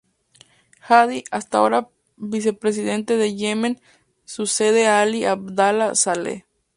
Hadi, hasta ahora vicepresidente del Yemen, sucede a Ali Abdala Saleh.